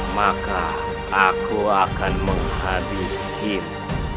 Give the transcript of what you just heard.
maka aku akan menghabisimu